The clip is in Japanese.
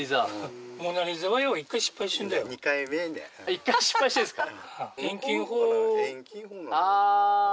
１回失敗してるんですか。